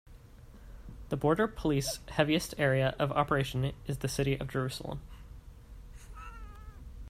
The Border Police heaviest area of operation is the city of Jerusalem.